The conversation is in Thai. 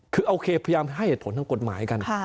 คือโอเคพยายามให้เหตุผลทางกฎหมายกัน